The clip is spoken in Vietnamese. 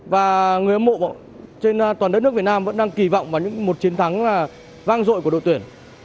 và người hâm mộ trên toàn đất nước việt nam vẫn đang kỳ vọng vào những một chiến thắng vang dội của đội tuyển